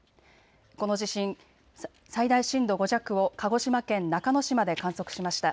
この地震、最大震度５弱を鹿児島県中之島で観測しました。